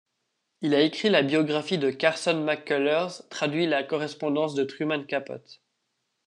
Il a écrit la biographie de Carson McCullers, traduit la correspondance de Truman Capote.